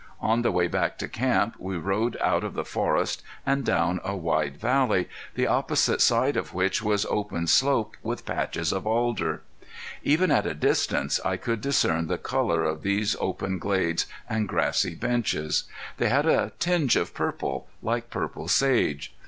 On the way back to camp we rode out of the forest and down a wide valley, the opposite side of which was open slope with patches of alder. Even at a distance I could discern the color of these open glades and grassy benches. They had a tinge of purple, like purple sage.